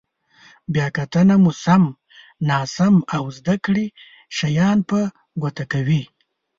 بیا کتنه مو سم، ناسم او زده کړي شیان په ګوته کوي.